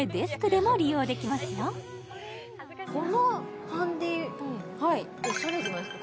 このハンディオシャレじゃないですか？